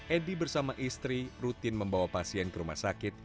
edi bersama istri rutin membawa pasien ke rumah sakit